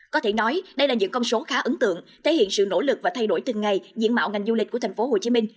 có thể nói đây là những con số khá ấn tượng thể hiện sự nỗ lực và thay đổi từng ngày diễn mạo ngành du lịch của thành phố hồ chí minh